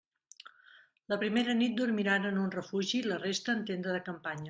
La primera nit dormiran en un refugi i la resta en tenda de campanya.